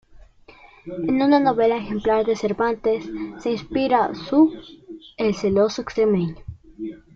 En una novela ejemplar de Cervantes se inspira su "El celoso extremeño".